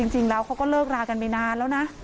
จริงแล้วเขาก็เลิกรากันไปนานแล้วนะ